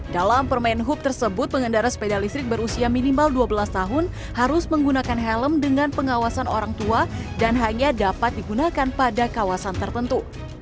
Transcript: dalam permen hub tersebut pengendara sepeda listrik berusia minimal dua belas tahun harus menggunakan helm dengan pengawasan orang tua dan hanya dapat digunakan pada kawasan tertentu